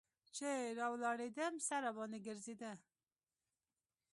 چې راولاړېدم سر راباندې ګرځېده.